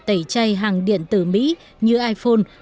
tẩy chay hàng điện tử mỹ như iphone